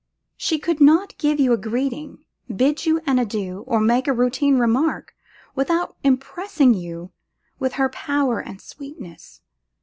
She could not give you a greeting, bid you an adieu, or make a routine remark, without impressing you with her power and sweetness.